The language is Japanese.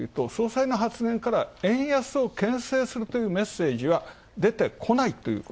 総裁の発言から、円安をけん制するというメッセージは出てこないと。